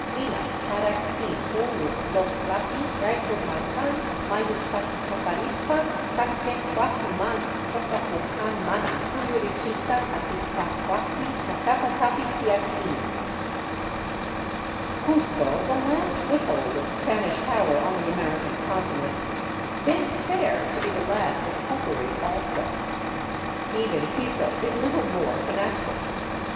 Inas paractin unu Uocllapi yaicumurkan mayutac caparispa saccay huasiman choccacurkan mana cuyurichiyta atispa huasi ccaccapatapi tiactin. Cuzco, the last foothold of Spanish power on the American conti nent, bids fair to be the last of popery also. Even Quito is little more fanatical.